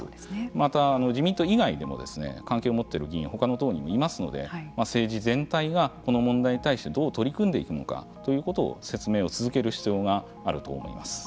また、自民党以外にも関係を持っている議員も他の党にもいますので政治全体がこの問題に対してどう取り組んでいくのかということを説明を続ける必要があると思います。